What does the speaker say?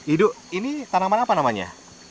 idu ini tanaman apa namanya